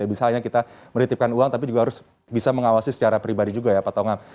misalnya kita menitipkan uang tapi juga harus bisa mengawasi secara pribadi juga ya pak tongam